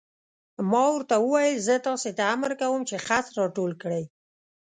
ما ورته وویل: زه تاسې ته امر کوم چې خس را ټول کړئ.